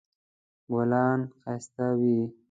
ګلان ښایسته وي